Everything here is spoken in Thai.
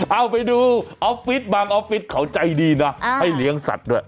เอาไปดูออฟฟิศบางออฟฟิศเขาใจดีนะให้เลี้ยงสัตว์ด้วย